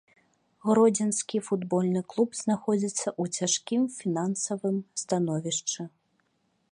Гродзенскі футбольны клуб знаходзіцца ў цяжкім фінансавым становішчы.